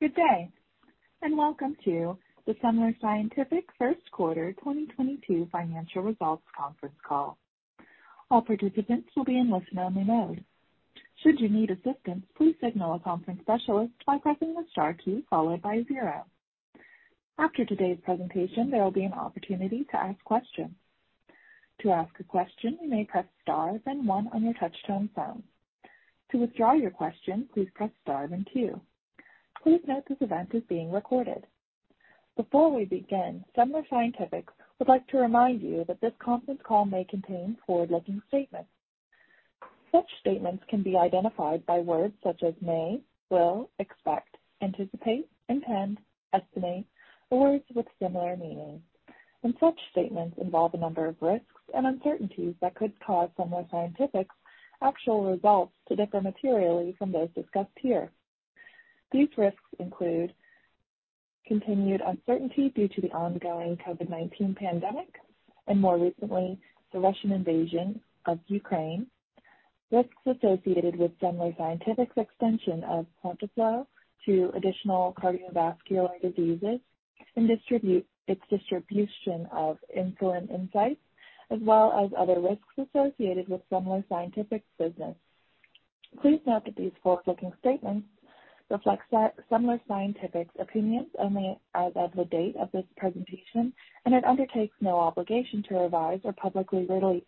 Good day, and welcome to the Semler Scientific First Quarter 2022 Financial Results Conference Call. All participants will be in listen-only mode. Should you need assistance, please signal a conference specialist by pressing the star key followed by zero. After today's presentation, there will be an opportunity to ask questions. To ask a question, you may press star then one on your touchtone phone. To withdraw your question, please press star then two. Please note this event is being recorded. Before we begin, Semler Scientific would like to remind you that this conference call may contain forward-looking statements. Such statements can be identified by words such as may, will, expect, anticipate, intend, estimate, or words with similar meaning. Such statements involve a number of risks and uncertainties that could cause Semler Scientific's actual results to differ materially from those discussed here. These risks include continued uncertainty due to the ongoing COVID-19 pandemic and more recently, the Russian invasion of Ukraine, risks associated with Semler Scientific's extension of QuantaFlo to additional cardiovascular diseases, and its distribution of Insulin Insights, as well as other risks associated with Semler Scientific's business. Please note that these forward-looking statements reflect Semler Scientific's opinions only as of the date of this presentation, and it undertakes no obligation to revise or publicly release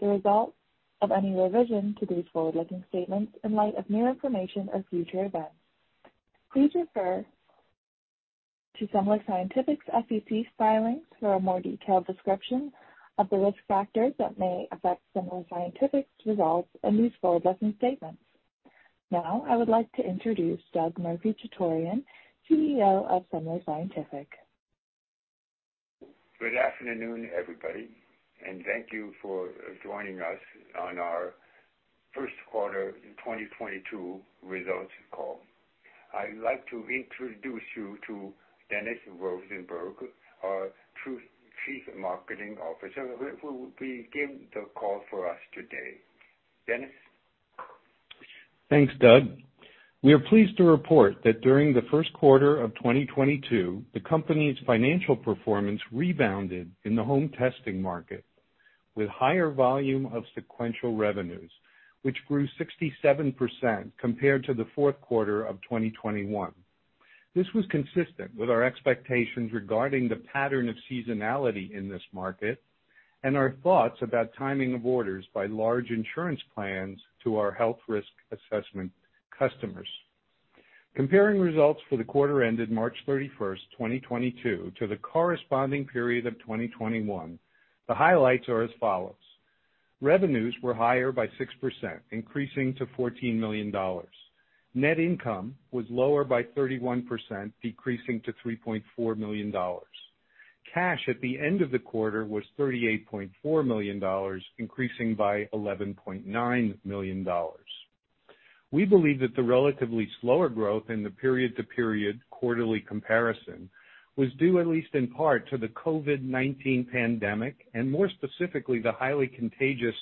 the results of any revision to these forward-looking statements in light of new information or future events. Please refer to Semler Scientific's SEC filings for a more detailed description of the risk factors that may affect Semler Scientific's results and these forward-looking statements. Now, I would like to introduce Doug Murphy-Chutorian, CEO of Semler Scientific. Good afternoon, everybody, and thank you for joining us on our first quarter 2022 results call. I'd like to introduce you to Dennis Rosenberg, our Chief Marketing Officer, who will be giving the call for us today. Dennis? Thanks, Doug. We are pleased to report that during the first quarter of 2022, the company's financial performance rebounded in the home testing market with higher volume of sequential revenues, which grew 67% compared to the fourth quarter of 2021. This was consistent with our expectations regarding the pattern of seasonality in this market and our thoughts about timing of orders by large insurance plans to our health risk assessment customers. Comparing results for the quarter ended March 31st, 2022, to the corresponding period of 2021, the highlights are as follows. Revenues were higher by 6%, increasing to $14 million. Net income was lower by 31%, decreasing to $3.4 million. Cash at the end of the quarter was $38.4 million, increasing by $11.9 million. We believe that the relatively slower growth in the period-to-period quarterly comparison was due, at least in part, to the COVID-19 pandemic and more specifically, the highly contagious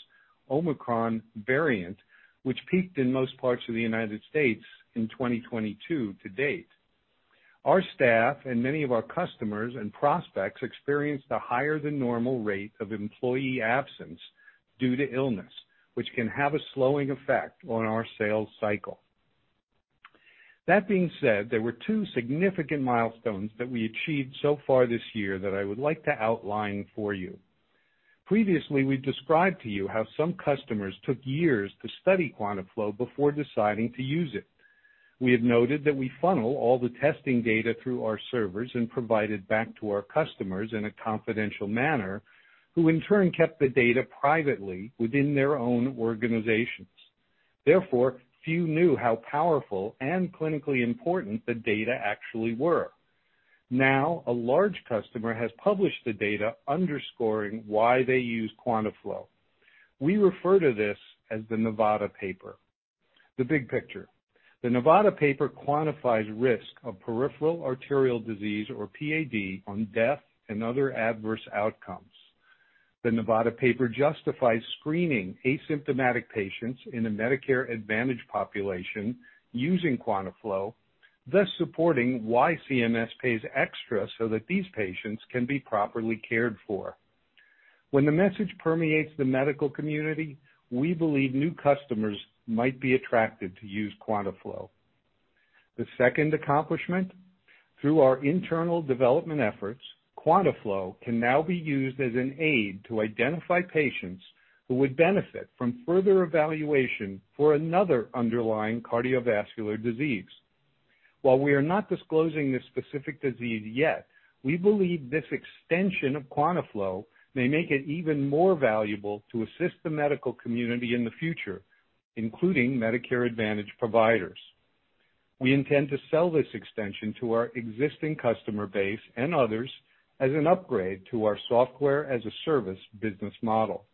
Omicron variant, which peaked in most parts of the United States in 2022 to date. Our staff and many of our customers and prospects experienced a higher than normal rate of employee absence due to illness, which can have a slowing effect on our sales cycle. That being said, there were two significant milestones that we achieved so far this year that I would like to outline for you. Previously, we've described to you how some customers took years to study QuantaFlo before deciding to use it. We have noted that we funnel all the testing data through our servers and provide it back to our customers in a confidential manner, who in turn kept the data privately within their own organizations. Therefore, few knew how powerful and clinically important the data actually were. Now, a large customer has published the data underscoring why they use QuantaFlo. We refer to this as the Nevada paper. The big picture, the Nevada paper quantifies risk of peripheral arterial disease or PAD on death and other adverse outcomes. The Nevada paper justifies screening asymptomatic patients in a Medicare Advantage population using QuantaFlo, thus supporting why CMS pays extra so that these patients can be properly cared for. When the message permeates the medical community, we believe new customers might be attracted to use QuantaFlo. The second accomplishment, through our internal development efforts, QuantaFlo can now be used as an aid to identify patients who would benefit from further evaluation for another underlying cardiovascular disease. While we are not disclosing this specific disease yet, we believe this extension of QuantaFlo may make it even more valuable to assist the medical community in the future, including Medicare Advantage providers. We intend to sell this extension to our existing customer base and others as an upgrade to our software-as-a-service business model.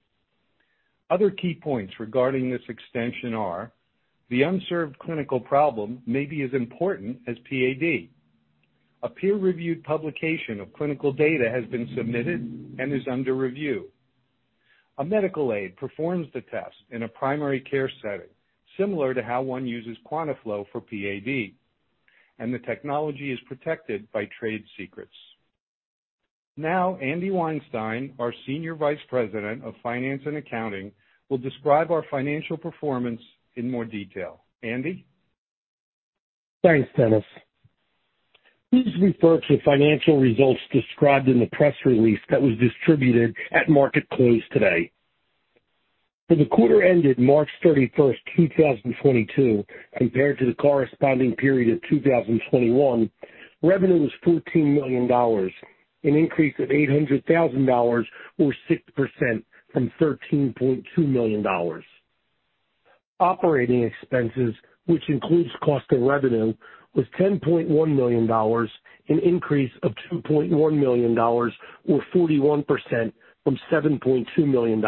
Other key points regarding this extension are. The unserved clinical problem may be as important as PAD. A peer-reviewed publication of clinical data has been submitted and is under review. A medical aid performs the test in a primary care setting, similar to how one uses QuantaFlo for PAD, and the technology is protected by trade secrets. Now, Andy Weinstein, our Senior Vice President of Finance & Accounting, will describe our financial performance in more detail. Andy? Thanks, Dennis. Please refer to the financial results described in the press release that was distributed at market close today. For the quarter ended March 31st, 2022 compared to the corresponding period of 2021, revenue was $14 million, an increase of $800,000 or 6% from $13.2 million. Operating expenses, which includes cost of revenue, was $10.1 million, an increase of $2.1 million or 41% from $7.2 million.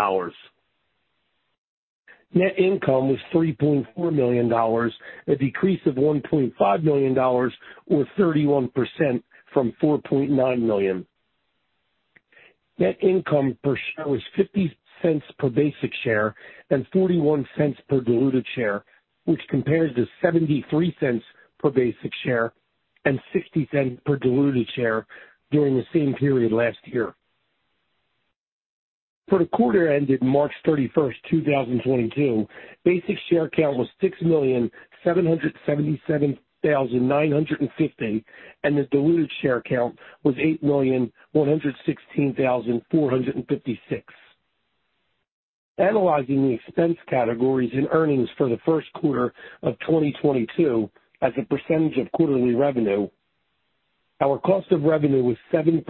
Net income was $3.4 million, a decrease of $1.5 million or 31% from $4.9 million. Net income per share was $0.50 per basic share and $0.41 per diluted share, which compares to $0.73 per basic share and $0.60 per diluted share during the same period last year. For the quarter ended March 31st, 2022, basic share count was 6,777,950, and the diluted share count was 8,116,456. Analyzing the expense categories and earnings for the first quarter of 2022 as a percentage of quarterly revenue, our cost of revenue was 7%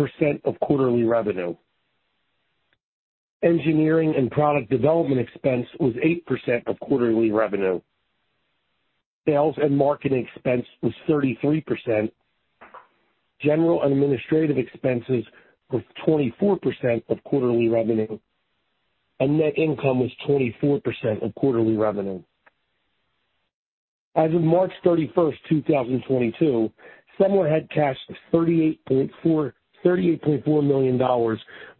of quarterly revenue. Engineering and product development expense was 8% of quarterly revenue. Sales and marketing expense was 33%. General and administrative expenses was 24% of quarterly revenue. Net income was 24% of quarterly revenue. As of March 31st, 2022, Semler had cash of $38.4 million,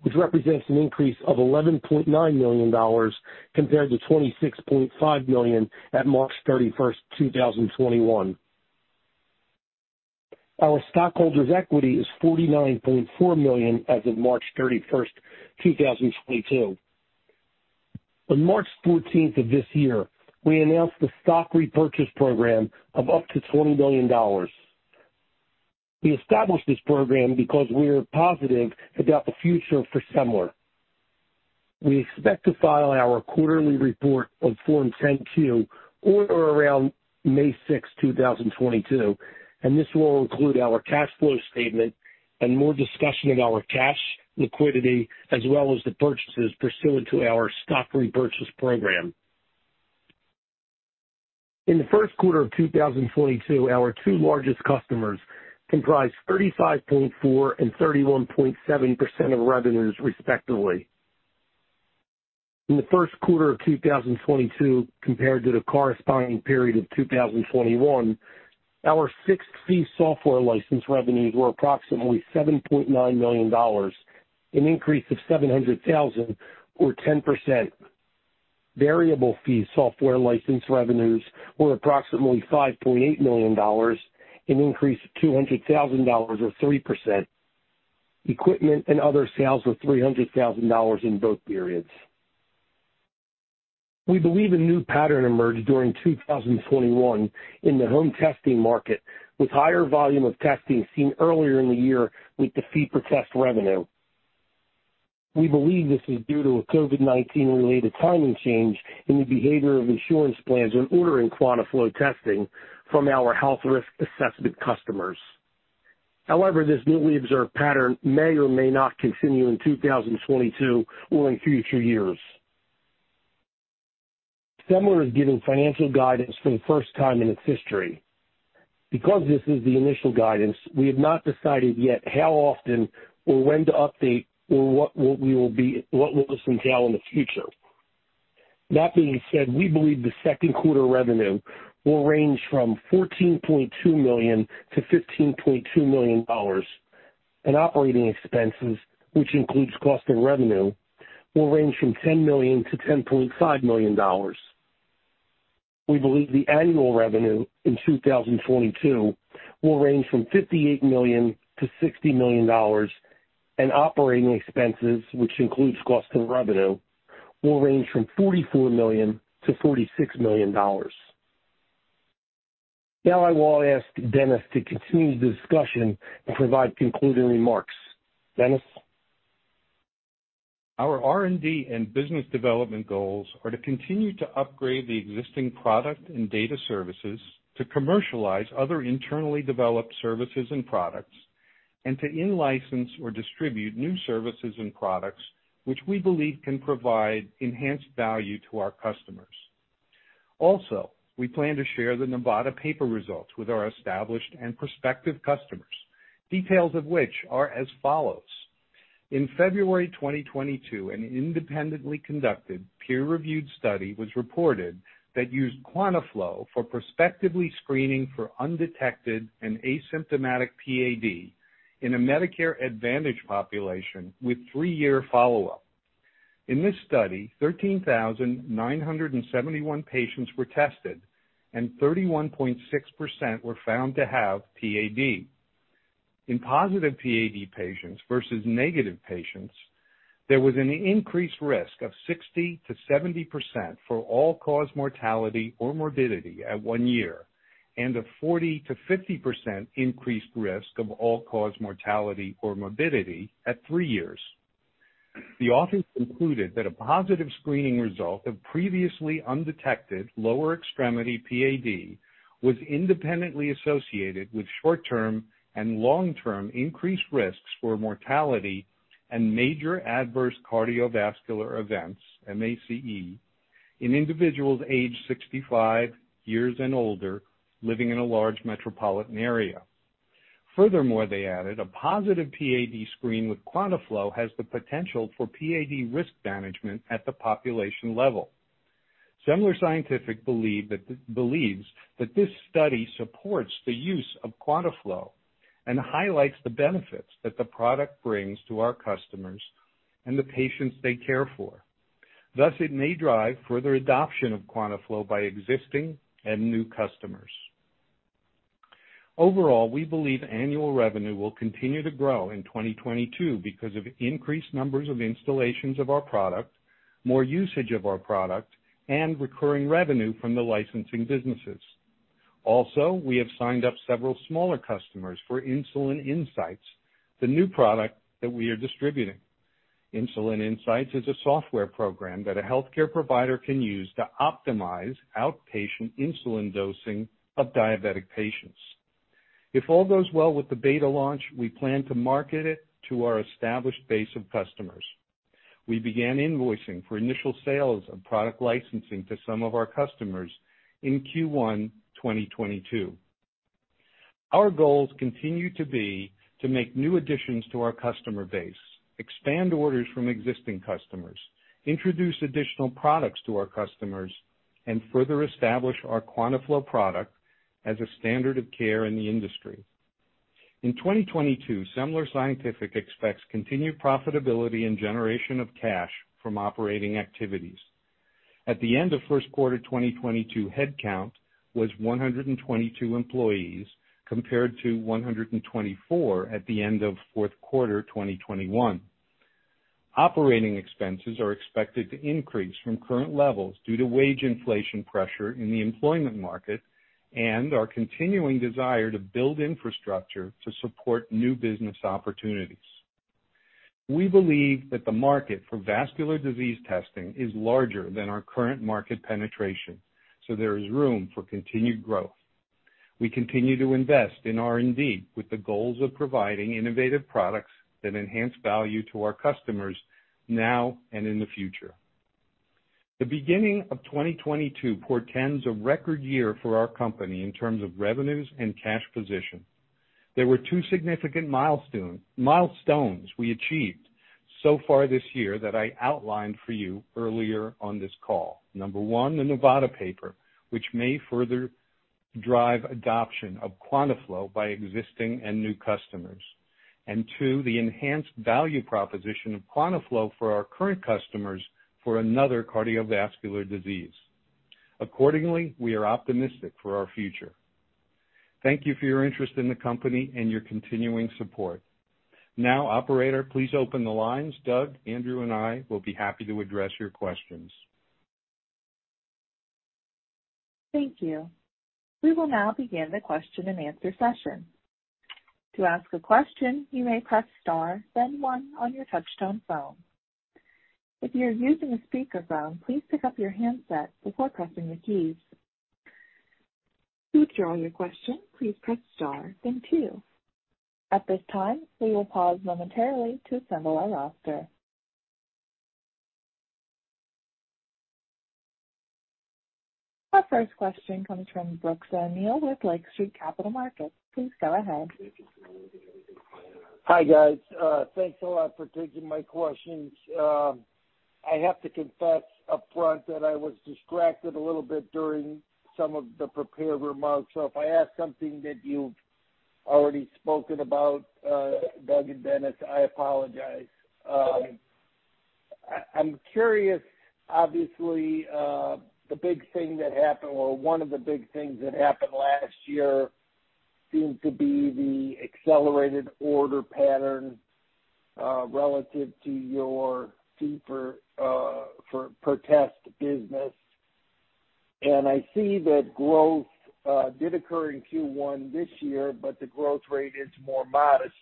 which represents an increase of $11.9 million compared to $26.5 million at March 31st, 2021. Our stockholders' equity is $49.4 million as of March 31st, 2022. On March 14th of this year, we announced a stock repurchase program of up to $20 million. We established this program because we are positive about the future for Semler. We expect to file our quarterly report on Form 10-Q on or around May 6, 2022, and this will include our cash flow statement and more discussion of our cash liquidity as well as the purchases pursuant to our stock repurchase program. In the first quarter of 2022, our two largest customers comprised 35.4% and 31.7% of revenues, respectively. In the first quarter of 2022 compared to the corresponding period of 2021, our fixed-fee software license revenues were approximately $7.9 million, an increase of $700,000 or 10%. Variable fee software license revenues were approximately $5.8 million, an increase of $200,000 or 3%. Equipment and other sales were $300,000 in both periods. We believe a new pattern emerged during 2021 in the home testing market, with higher volume of testing seen earlier in the year with the fee per test revenue. We believe this is due to a COVID-19 related timing change in the behavior of insurance plans when ordering QuantaFlo testing from our health risk assessment customers. However, this newly observed pattern may or may not continue in 2022 or in future years. Semler is giving financial guidance for the first time in its history. Because this is the initial guidance, we have not decided yet how often or when to update or what this entail in the future. That being said, we believe the second quarter revenue will range from $14.2 million-$15.2 million, and operating expenses, which includes cost of revenue, will range from $10 million-$10.5 million. We believe the annual revenue in 2022 will range from $58 million-$60 million, and operating expenses, which includes cost of revenue, will range from $44 million-$46 million. Now, I will ask Dennis to continue the discussion and provide concluding remarks. Dennis? Our R&D and business development goals are to continue to upgrade the existing product and data services, to commercialize other internally developed services and products, and to in-license or distribute new services and products which we believe can provide enhanced value to our customers. Also, we plan to share the Nevada paper results with our established and prospective customers, details of which are as follows. In February 2022, an independently conducted peer-reviewed study was reported that used QuantaFlo for prospectively screening for undetected and asymptomatic PAD, in a Medicare Advantage population with three-year follow-up. In this study, 13,971 patients were tested, and 31.6% were found to have PAD. In positive PAD patients versus negative patients, there was an increased risk of 60%-70% for all-cause mortality or morbidity at one year, and a 40%-50% increased risk of all-cause mortality or morbidity at three years. The authors concluded that a positive screening result of previously undetected lower extremity PAD was independently associated with short-term and long-term increased risks for mortality and major adverse cardiovascular events, MACE, in individuals aged 65 years and older living in a large metropolitan area. Furthermore, they added a positive PAD screen with QuantaFlo has the potential for PAD risk management at the population level. Semler Scientific believes that this study supports the use of QuantaFlo and highlights the benefits that the product brings to our customers and the patients they care for. Thus, it may drive further adoption of QuantaFlo by existing and new customers. Overall, we believe annual revenue will continue to grow in 2022 because of increased numbers of installations of our product, more usage of our product, and recurring revenue from the licensing businesses. Also, we have signed up several smaller customers for Insulin Insights, the new product that we are distributing. Insulin Insights is a software program that a healthcare provider can use to optimize outpatient insulin dosing of diabetic patients. If all goes well with the beta launch, we plan to market it to our established base of customers. We began invoicing for initial sales of product licensing to some of our customers in Q1 2022. Our goals continue to be to make new additions to our customer base, expand orders from existing customers, introduce additional products to our customers, and further establish our QuantaFlo product as a standard of care in the industry. In 2022, Semler Scientific expects continued profitability and generation of cash from operating activities. At the end of first quarter 2022, headcount was 122 employees, compared to 124 employees at the end of fourth quarter 2021. Operating expenses are expected to increase from current levels due to wage inflation pressure in the employment market and our continuing desire to build infrastructure to support new business opportunities. We believe that the market for vascular disease testing is larger than our current market penetration, so there is room for continued growth. We continue to invest in R&D with the goals of providing innovative products that enhance value to our customers now and in the future. The beginning of 2022 portends a record year for our company in terms of revenues and cash position. There were two significant milestones we achieved so far this year that I outlined for you earlier on this call. Number one, the Nevada paper, which may further drive adoption of QuantaFlo by existing and new customers. Two, the enhanced value proposition of QuantaFlo for our current customers for another cardiovascular disease. Accordingly, we are optimistic for our future. Thank you for your interest in the company and your continuing support. Now, operator, please open the lines. Doug, Andrew, and I will be happy to address your questions. Thank you. We will now begin the question-and-answer session. To ask a question, you may press star then one on your touchtone phone. If you are using a speakerphone, please pick up your handset before pressing the keys. To withdraw your question, please press star then two. At this time, we will pause momentarily to assemble our roster. Our first question comes from Brooks O'Neil with Lake Street Capital Markets. Please go ahead. Hi, guys. Thanks a lot for taking my questions. I have to confess upfront that I was distracted a little bit during some of the prepared remarks. If I ask something that you've already spoken about, Doug and Dennis, I apologize. I'm curious, obviously, the big thing that happened, or one of the big things that happened last year seemed to be the accelerated order pattern, relative to your fee for per test business. I see that growth did occur in Q1 this year, but the growth rate is more modest.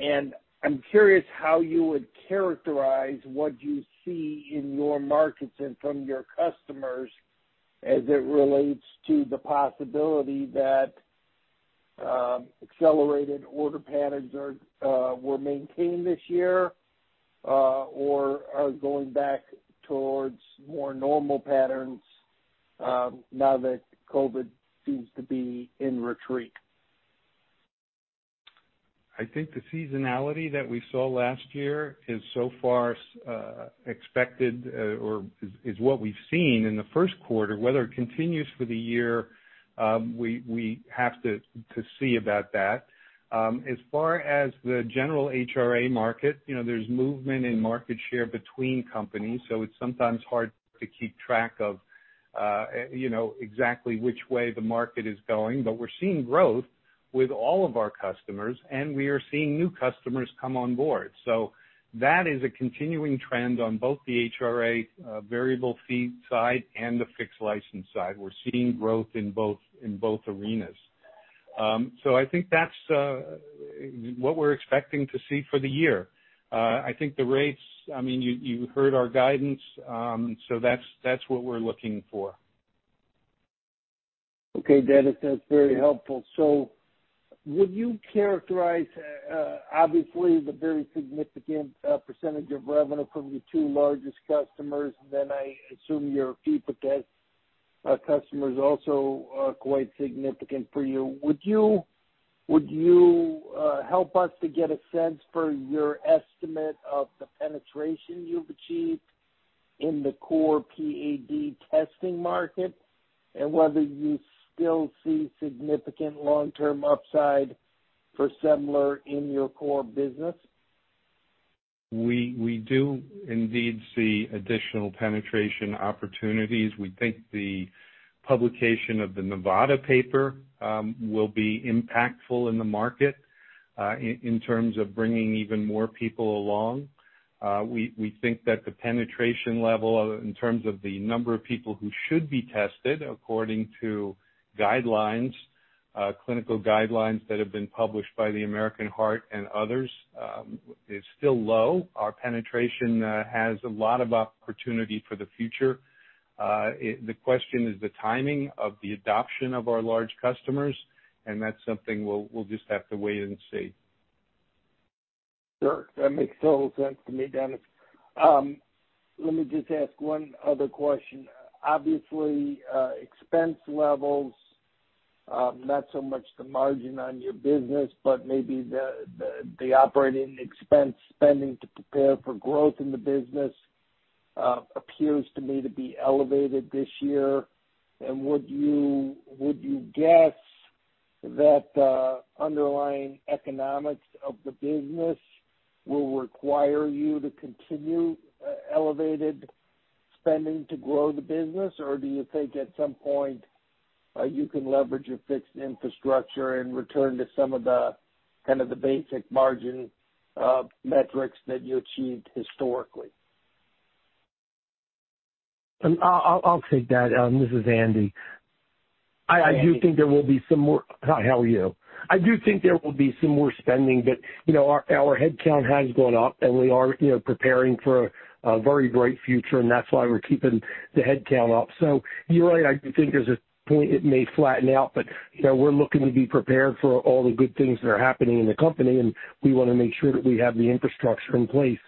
I'm curious how you would characterize what you see in your markets and from your customers as it relates to the possibility that accelerated order patterns were maintained this year or are going back towards more normal patterns now that COVID seems to be in retreat. I think the seasonality that we saw last year is so far expected or is what we've seen in the first quarter. Whether it continues for the year, we have to see about that. As far as the general HRA market, you know, there's movement in market share between companies, so it's sometimes hard to keep track of, you know, exactly which way the market is going. We're seeing growth with all of our customers, and we are seeing new customers come on board. That is a continuing trend on both the HRA variable fee side and the fixed license side. We're seeing growth in both arenas. I think that's what we're expecting to see for the year. I think the rates, I mean, you heard our guidance. That's what we're looking for. Okay, Dennis, that's very helpful. Would you characterize obviously the very significant percentage of revenue from your two largest customers, then I assume your fee-for-test customers also are quite significant for you. Would you help us to get a sense for your estimate of the penetration you've achieved in the core PAD testing market and whether you still see significant long-term upside for Semler in your core business? We do indeed see additional penetration opportunities. We think the publication of the Nevada paper will be impactful in the market in terms of bringing even more people along. We think that the penetration level in terms of the number of people who should be tested according to guidelines, clinical guidelines that have been published by the American Heart and others, is still low. Our penetration has a lot of opportunity for the future. The question is the timing of the adoption of our large customers, and that's something we'll just have to wait and see. Sure, that makes total sense to me, Dennis. Let me just ask one other question. Obviously, expense levels, not so much the margin on your business, but maybe the operating expense spending to prepare for growth in the business, appears to me to be elevated this year. Would you guess that the underlying economics of the business will require you to continue elevated spending to grow the business? Or do you think at some point you can leverage your fixed infrastructure and return to some of the kind of basic margin metrics that you achieved historically? I'll take that. This is Andy. Andy. I do think there will be some more spending, but, you know, our headcount has gone up and we are, you know, preparing for a very bright future and that's why we're keeping the headcount up. You're right, I do think there's a point it may flatten out, but, you know, we're looking to be prepared for all the good things that are happening in the company, and we wanna make sure that we have the infrastructure in place.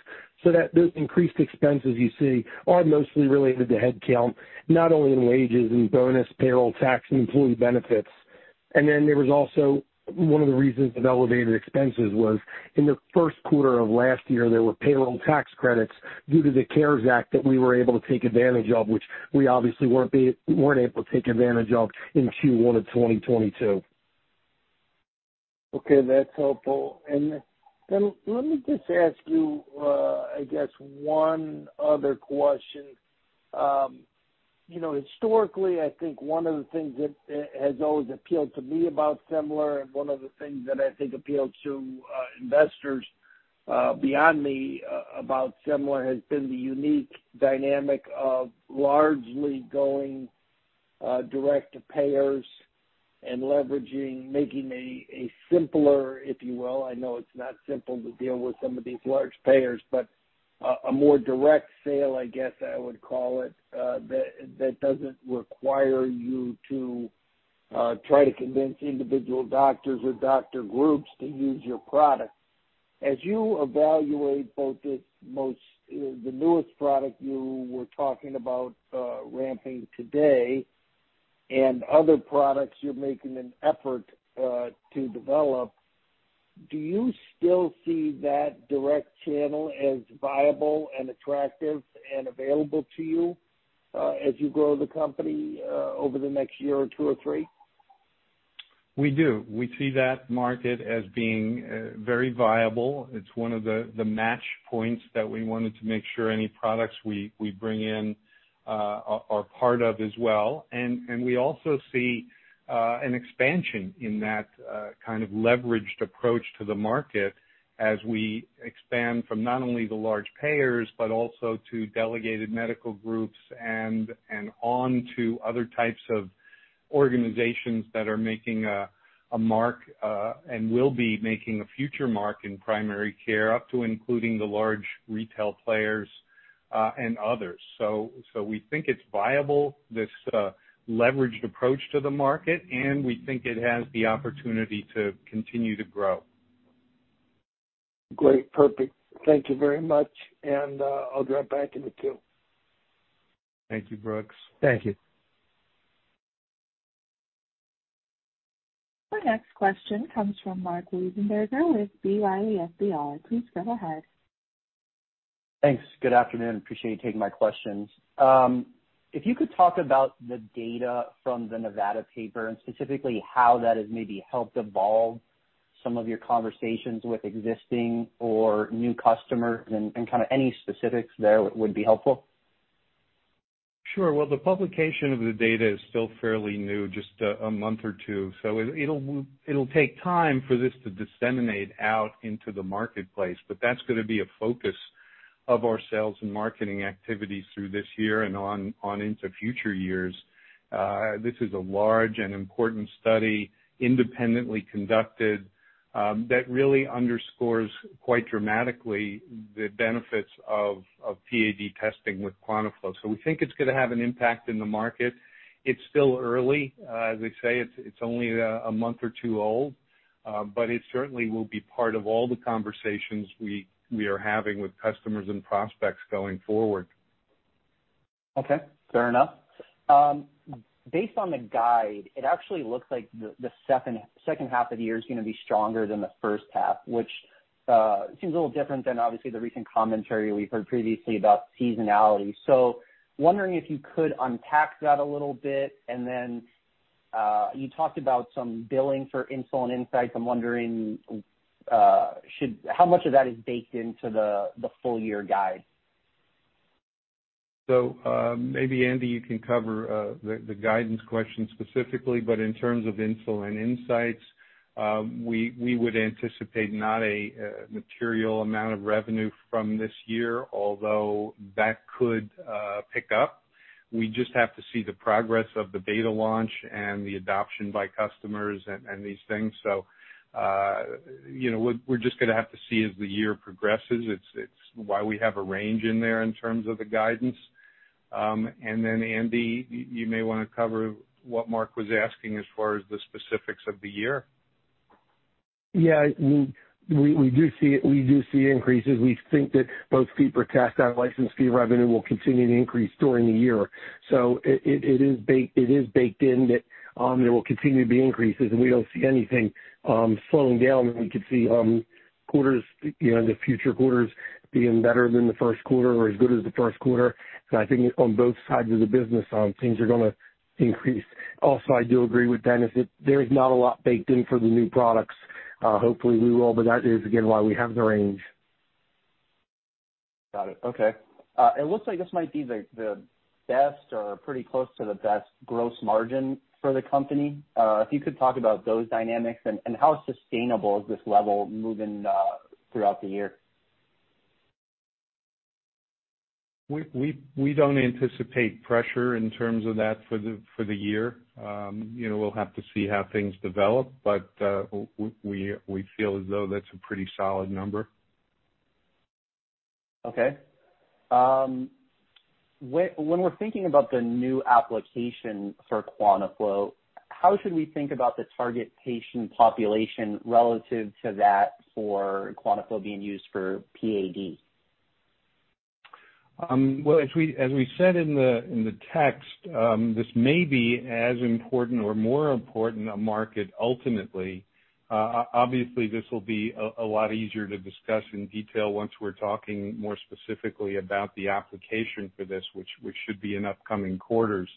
That those increased expenses you see are mostly related to headcount, not only in wages and bonus, payroll tax, and employee benefits. There was also one of the reasons of elevated expenses was in the first quarter of last year, there were payroll tax credits due to the CARES Act that we were able to take advantage of, which we obviously weren't able to take advantage of in Q1 of 2022. Okay, that's helpful. Let me just ask you, I guess one other question. You know, historically, I think one of the things that has always appealed to me about Semler and one of the things that I think appealed to investors beyond me about Semler has been the unique dynamic of largely going direct to payers and leveraging, making a simpler, if you will. I know it's not simple to deal with some of these large payers, but a more direct sale, I guess I would call it, that doesn't require you to try to convince individual doctors or doctor groups to use your product. As you evaluate both the newest product you were talking about ramping today and other products you're making an effort to develop, do you still see that direct channel as viable and attractive and available to you as you grow the company over the next year or two or three? We do. We see that market as being very viable. It's one of the match points that we wanted to make sure any products we bring in are part of as well. We also see an expansion in that kind of leveraged approach to the market as we expand from not only the large payers, but also to delegated medical groups and on to other types of organizations that are making a mark and will be making a future mark in primary care up to including the large retail players and others. We think it's viable, this leveraged approach to the market, and we think it has the opportunity to continue to grow. Great. Perfect. Thank you very much. I'll drop back in the queue. Thank you, Brooks. Thank you. Our next question comes from Marc Wiesenberger with B. Riley FBR. Please go ahead. Thanks. Good afternoon. Appreciate you taking my questions. If you could talk about the data from the Nevada paper and specifically how that has maybe helped evolve some of your conversations with existing or new customers and kind of any specifics there would be helpful. Sure. Well, the publication of the data is still fairly new, just a month or two, so it'll take time for this to disseminate out into the marketplace. That's gonna be a focus of our sales and marketing activities through this year and on into future years. This is a large and important study independently conducted that really underscores quite dramatically the benefits of PAD testing with QuantaFlo. We think it's gonna have an impact in the market. It's still early. As I say, it's only a month or two old, but it certainly will be part of all the conversations we are having with customers and prospects going forward. Okay, fair enough. Based on the guide, it actually looks like the second half of the year is gonna be stronger than the first half, which seems a little different than obviously the recent commentary we've heard previously about seasonality. Wondering if you could unpack that a little bit. Then you talked about some billing for Insulin Insights. I'm wondering how much of that is baked into the full year guide? Maybe Andy, you can cover the guidance question specifically, but in terms of Insulin Insights, we would anticipate not a material amount of revenue from this year, although that could pick up. We just have to see the progress of the beta launch and the adoption by customers and these things. You know, we're just gonna have to see as the year progresses. It's why we have a range in there in terms of the guidance. Andy, you may wanna cover what Marc was asking as far as the specifics of the year. Yeah. We do see it. We do see increases. We think that both fee per test, our license fee revenue will continue to increase during the year. It is baked in that there will continue to be increases and we don't see anything slowing down. We could see quarters in the future quarters being better than the first quarter or as good as the first quarter. I think on both sides of the business, things are gonna increase. Also, I do agree with Dennis that there's not a lot baked in for the new products. Hopefully we will, but that is again, why we have the range. Got it. Okay. It looks like this might be the best or pretty close to the best gross margin for the company. If you could talk about those dynamics and how sustainable is this level moving throughout the year. We don't anticipate pressure in terms of that for the year. You know, we'll have to see how things develop, but we feel as though that's a pretty solid number. When we're thinking about the new application for QuantaFlo, how should we think about the target patient population relative to that for QuantaFlo being used for PAD? Well, as we said in the text, this may be as important or more important a market ultimately. Obviously this will be a lot easier to discuss in detail once we're talking more specifically about the application for this, which should be in upcoming quarters.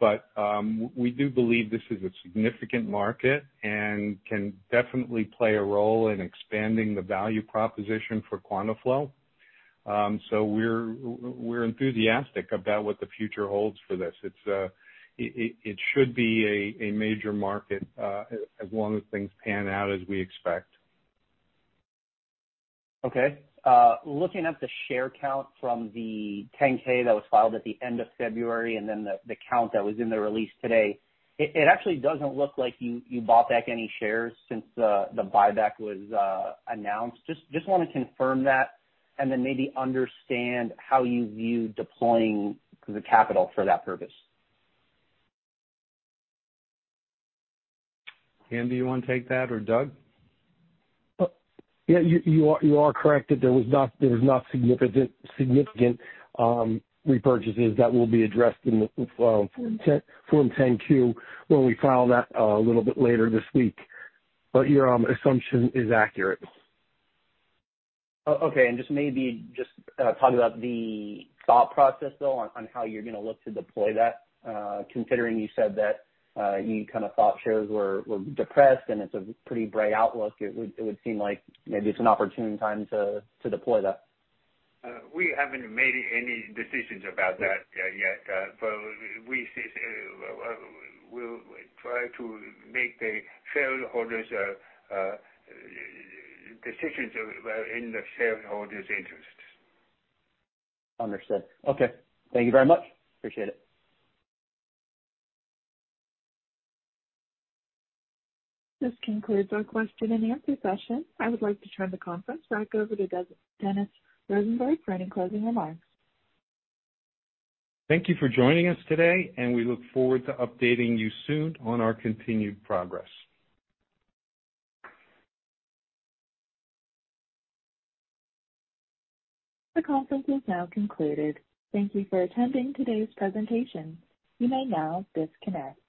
We do believe this is a significant market and can definitely play a role in expanding the value proposition for QuantaFlo. We're enthusiastic about what the future holds for this. It should be a major market as long as things pan out as we expect. Okay. Looking at the share count from the Form 10-K that was filed at the end of February, and then the count that was in the release today, it actually doesn't look like you bought back any shares since the buyback was announced. Just wanna confirm that and then maybe understand how you view deploying the capital for that purpose. Andy, you wanna take that, or Doug? Yeah, you are correct that there was not significant repurchases that will be addressed in Form 10-Q when we file that a little bit later this week. Your assumption is accurate. Okay. Just maybe just talk about the thought process though, on how you're gonna look to deploy that, considering you said that you kind of thought shares were depressed and it's a pretty bright outlook. It would seem like maybe it's an opportune time to deploy that. We haven't made any decisions about that yet, but we'll try to make decisions in the shareholders' interests. Understood. Okay. Thank you very much. Appreciate it. This concludes our question and answer session. I would like to turn the conference back over to Dennis Rosenberg for any closing remarks. Thank you for joining us today, and we look forward to updating you soon on our continued progress. The conference is now concluded. Thank you for attending today's presentation. You may now disconnect.